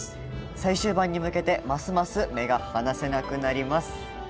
最終盤に向けてますます目が離せなくなります。